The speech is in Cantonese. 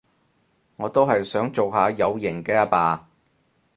我都係想做下有型嘅阿爸